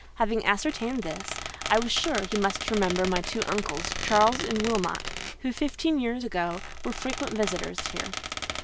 Having ascertained this, I was sure he must remember my two uncles, Charles and Wilmot, who, fifteen, years ago, were frequent visitors here.